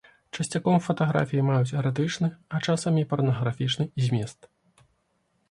Часцяком фатаграфіі маюць эратычны, а часам і парнаграфічны змест.